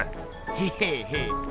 へへへ。